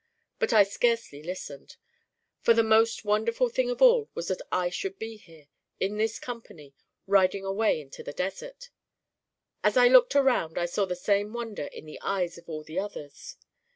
— but I scarcely listened. For the most wonderful thing of all was that I should be here, in this company, riding away into the desert. As I looked around, I saw the same wonder in the eyes of all the others.